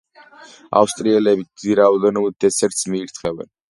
ავსტრიელები დიდი რაოდენობით დესერტს მიირთმევენ.